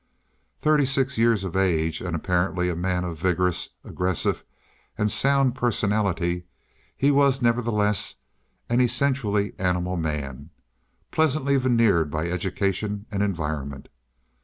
Thirty six years of age, and apparently a man of vigorous, aggressive, and sound personality, he was, nevertheless, an essentially animal man, pleasantly veneered by education and environment.